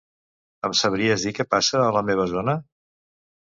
Em sabries dir què passa a la meva zona?